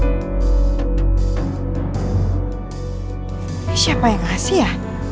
ini siapa yang ngasih ya